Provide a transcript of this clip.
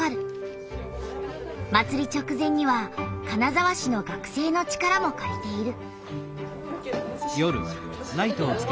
祭り直前には金沢市の学生の力もかりている。